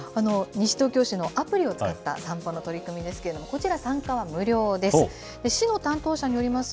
西東京市のアプリを使った散歩の取り組みですけれども、こちら、参加は無料です。